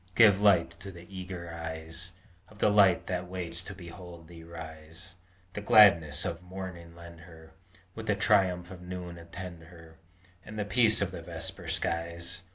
Give light to the eager eyes Of the Land that waits to behold thee rise; The gladness of morning lend her, With the triumph of noon attend her, And the peace of the vesper skies!